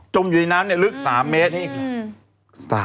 จมอยู่ในน้ำเนี่ยลึก๓เมตร